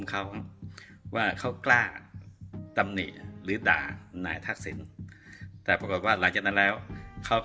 ครับว่าเขากล้าจำนี่หรือด่านายทักษิณแต่ว่าลาจากนั้นแล้วเขาก็